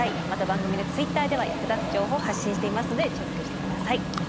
また番組のＴｗｉｔｔｅｒでは役立つ情報を発信していますのでチェックして下さい。